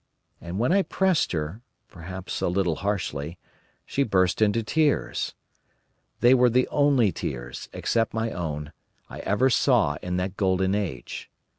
And when I pressed her, perhaps a little harshly, she burst into tears. They were the only tears, except my own, I ever saw in that Golden Age.